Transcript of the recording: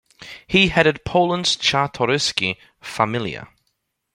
He headed Poland's Czartoryski "Familia".